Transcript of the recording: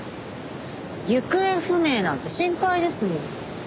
行方不明なんて心配ですもん。